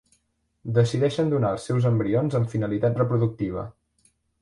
Decideixen donar els seus embrions amb finalitat reproductiva.